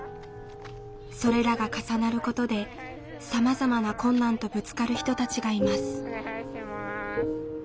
それらが重なることでさまざまな困難とぶつかる人たちがいます。